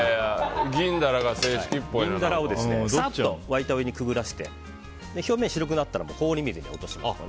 銀ダラをさっと沸いたお湯にくぐらせて表面が白くなったら氷水に落とします。